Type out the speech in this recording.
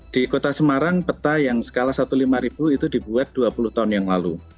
di kota semarang peta yang skala satu lima itu dibuat dua puluh tahun yang lalu